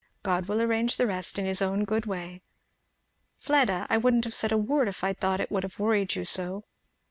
God will arrange the rest, in his own good way. Fleda! I wouldn't have said a word if I had thought it would have worried you so."